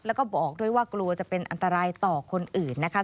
แล้วก็บอกด้วยว่ากลัวจะเป็นอันตรายต่อคนอื่นนะคะ